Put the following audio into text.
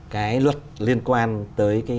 cái luật liên quan tới